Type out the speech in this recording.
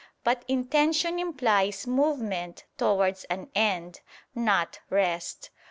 But intention implies movement towards an end, not rest.